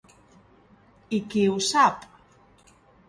I qui ho sap?